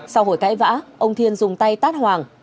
sau hồi cãi vã ông thiên dùng tay tát hoàng